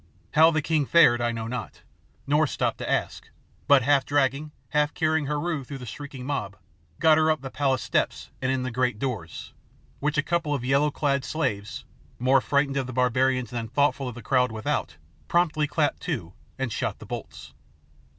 How the king fared I know not, nor stopped to ask, but half dragging, half carrying Heru through the shrieking mob, got her up the palace steps and in at the great doors, which a couple of yellow clad slaves, more frightened of the barbarians than thoughtful of the crowd without, promptly clapped to, and shot the bolts.